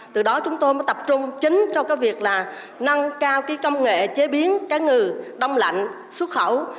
từ đó chúng tôi mới tập trung chính cho cái việc là nâng cao cái công nghệ chế biến cá ngừ đông lạnh xuất khẩu